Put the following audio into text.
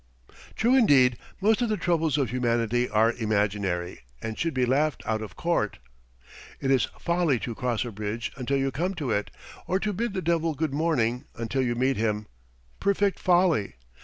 True indeed; most of the troubles of humanity are imaginary and should be laughed out of court. It is folly to cross a bridge until you come to it, or to bid the Devil good morning until you meet him perfect folly.